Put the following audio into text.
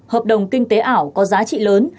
hợp đồng kinh tế ảo có giá trị lớn